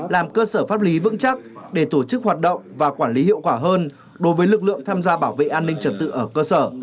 làm cơ sở pháp lý vững chắc để tổ chức hoạt động và quản lý hiệu quả hơn đối với lực lượng tham gia bảo vệ an ninh trật tự ở cơ sở